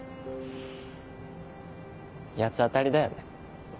八つ当たりだよね。